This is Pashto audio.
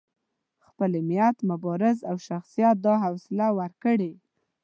خپل علمیت، مبارزو او شخصیت دا حوصله ورکړې.